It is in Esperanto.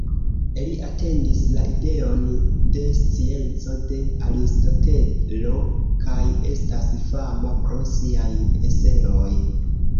Li etendis la ideon de scienco de Aristotelo kaj estas fama pro siaj eseoj.